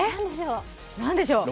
何でしょう。